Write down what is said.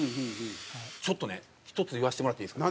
ちょっとね、１つ言わしてもらっていいですか。